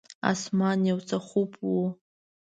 اسمان یو څه خوپ و.